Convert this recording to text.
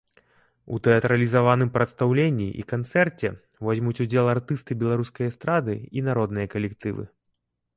У тэатралізаваным прадстаўленні і канцэрце возьмуць удзел артысты беларускай эстрады і народныя калектывы.